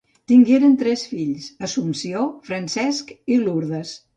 Tingueren tres fills Assumpció, Francesc i Lourdes.